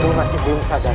o hai itu berapa bang